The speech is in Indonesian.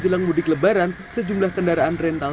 jelang lebaran jasa sewap kering